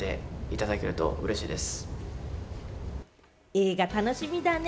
映画楽しみだね。